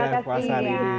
sama sama terima kasih ya